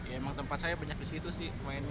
emang tempat saya banyak disitu sih kemarennya